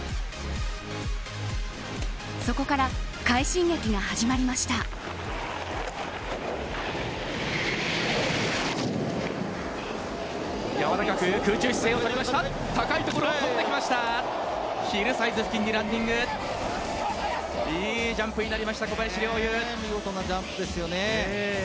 そこから快進撃が始まりました。